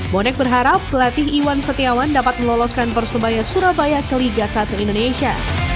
bonek berharap pelatih iwan setiawan dapat meloloskan persebaya surabaya ke liga satu indonesia